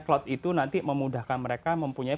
cloud itu nanti memudahkan mereka mempunyai